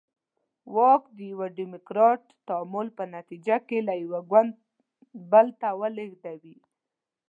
واک د یوه ډیموکراتیک تعامل په نتیجه کې له یو ګوند بل ته ولېږدوي.